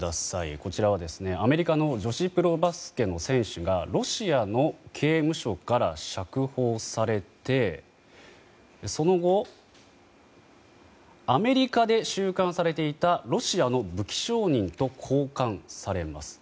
こちらは、アメリカの女子プロバスケの選手がロシアの刑務所から釈放されてその後アメリカで収監されていたロシアの武器商人と交換されます。